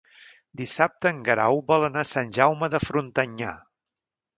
Dissabte en Guerau vol anar a Sant Jaume de Frontanyà.